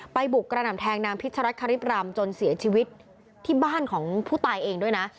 บุกกระหน่ำแทงนางพิชรัฐคริปรำจนเสียชีวิตที่บ้านของผู้ตายเองด้วยนะ